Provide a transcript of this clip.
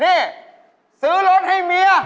นี่ซื้อรถให้เมีย